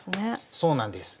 そうなんです。